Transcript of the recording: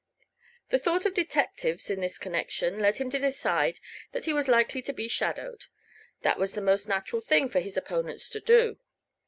The thought of detectives, in this connection, led him to decide that he was likely to be shadowed. That was the most natural thing for his opponents to do.